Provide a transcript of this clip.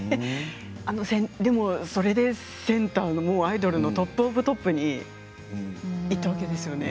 でもそれでセンターの、アイドルのトップオブトップに行ったわけですよね。